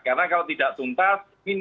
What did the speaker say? karena kalau tidak tuntas